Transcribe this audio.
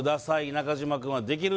中島くんはできる？